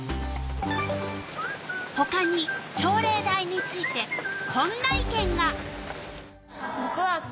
ほかに朝礼台についてこんな意見が。